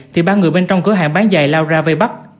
thì ba người bên trong cửa hàng bán dài lao ra vây bắt